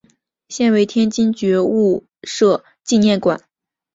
现为天津觉悟社纪念馆。